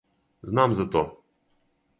Знам за то!